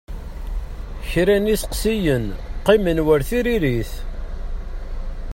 Kra n iseqsiyen qqimen war tiririt.